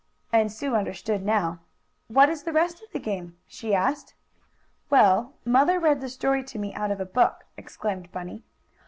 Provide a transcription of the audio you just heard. and Sue understood now. "What is the rest of the game?" she asked. "Well, mother read the story to me out of a book," explained Bunny.